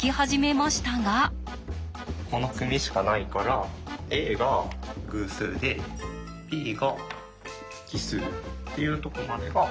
この組しかないからＡが偶数でＢが奇数っていうとこまでがわかる。